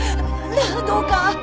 なっどうか。